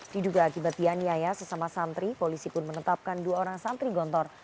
diduga akibat dianiaya sesama santri polisi pun menetapkan dua orang santri gontor